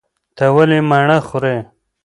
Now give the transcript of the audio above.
ته ولې مڼه خورې؟